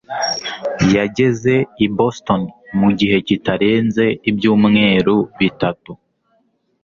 yageze i Boston mu gihe kitarenze ibyumweru bitatu